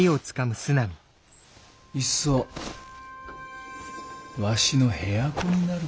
いっそわしの部屋子になるか。